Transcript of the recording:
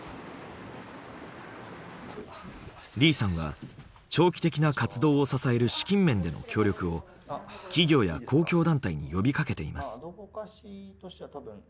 李さんは長期的な活動を支える資金面での協力を企業や公共団体に呼びかけています。